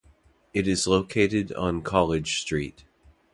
It is located on College Street.